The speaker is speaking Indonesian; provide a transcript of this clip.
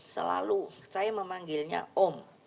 selalu saya memanggilnya om